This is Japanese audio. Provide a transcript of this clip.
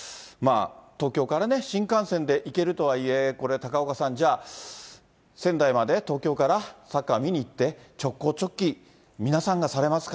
東京から新幹線で行けるとはいえ、これ、高岡さん、じゃあ、仙台まで、東京からサッカー見に行って、直行直帰、皆さんがされますか？